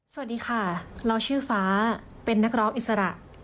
สวัสดีค่ะเราชื่อฟ้าเป็นนักร้องอิสระ